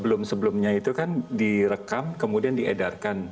kalau yang sebelumnya itu kan direkam kemudian diedarkan